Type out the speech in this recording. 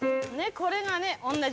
これがね同じ。